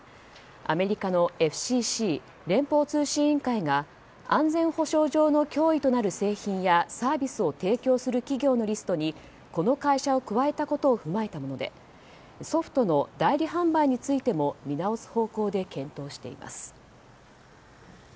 アメリカのＦＣＣ・連邦通信委員会が安全保障上の脅威となる製品やサービスを提供する企業のリストにこの会社を加えたことを踏まえたことでソフトの代理販売についても見直す方向で検討しています。